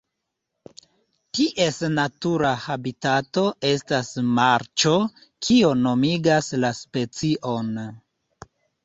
Ties natura habitato estas marĉo kio nomigas la specion.